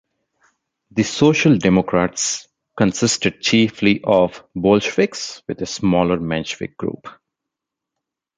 The Social Democrats consisted chiefly of Bolsheviks with a smaller Menshevik group.